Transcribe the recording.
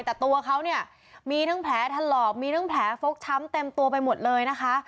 แต่ตัวเขาเนี่ยมีทั้งแผลถลอกมีทั้งแผลฟกช้ำเต็มตัวไปหมดเลยนะคะ